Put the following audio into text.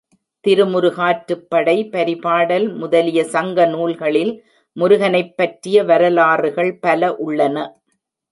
திருமுருகாற்றுப்படை, பரிபாடல் முதலிய சங்க நூல்களில் முருகனைப் பற்றிய வரலாறுகள் பல உள்ளன.